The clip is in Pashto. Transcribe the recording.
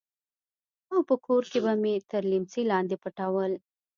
او په کور کښې به مې تر ليمڅي لاندې پټول.